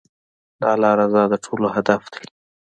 د الله رضا د ټولو هدف دی.